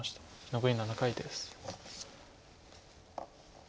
残り７回です。